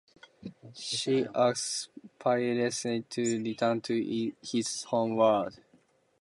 She asks Piranesi to return to his home world.